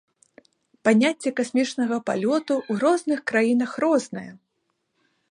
Паняцце касмічнага палёту ў розных краінах рознае.